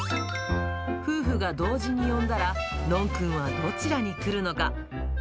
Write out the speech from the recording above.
夫婦が同時に呼んだら、ノンくんはどちらに来るのか。